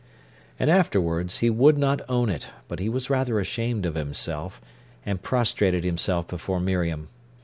And afterwards, he would not own it, but he was rather ashamed of himself, and prostrated himself before Miriam.